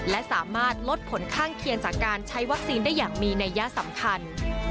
และสามารถลดผลข้างเคียงจากการใช้วัคซีนได้อย่างมีนัยยะสำคัญ